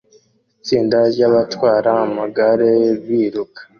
Itsinda ryabatwara amagare biruka